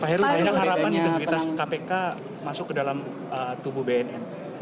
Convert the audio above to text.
pak herwi ada harapan identitas kpk masuk ke dalam tubuh bnn